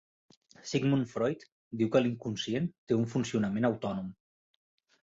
Sigmund Freud diu que l'inconscient té un funcionament autònom.